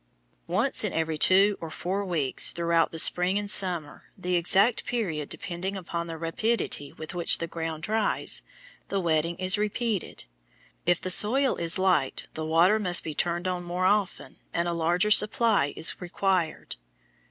Once in every two to four weeks throughout the spring and summer, the exact period depending upon the rapidity with which the ground dries, the wetting is repeated. If the soil is light the water must be turned on more often and a larger supply is required.